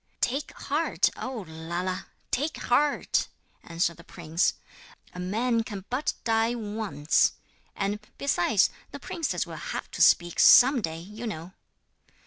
'Take heart, O Lala, take heart!' answered the prince. 'A man can but die once. And, besides, the princess will have to speak some day, you know.'